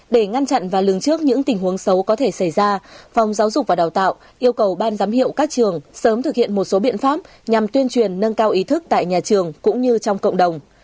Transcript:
để ngăn chặn và lưng trước những tình huống xấu có thể xảy ra phòng giáo dục và đào tạo yêu cầu ban giám hiệu các trường sớm thực hiện một số biện pháp nhằm tuyên truyền nâng cao ý thức tại nhà trường cũng như trong cộng đồng